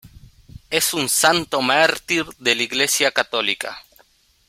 Es un santo mártir de la Iglesia católica.